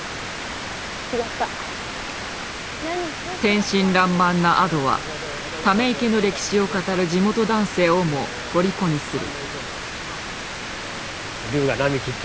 天真らんまんな亜土はため池の歴史を語る地元男性をもとりこにする。